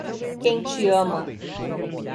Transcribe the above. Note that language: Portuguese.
Quem te ama